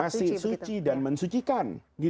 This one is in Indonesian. masih suci dan mensucikan